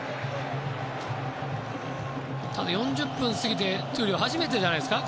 ただ、４０分を過ぎて初めてじゃないですか？